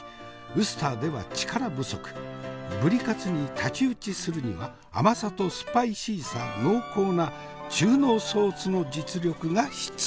ぶりカツに太刀打ちするには甘さとスパイシーさ濃厚な中濃ソースの実力が必要。